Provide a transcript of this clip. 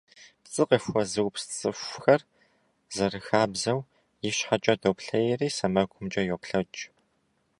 ПцӀы къыфхуэзыупс цӀыхухэр, зэрыхабзэу, ищхьэкӀэ доплъейри, сэмэгумкӀэ йоплъэкӀ.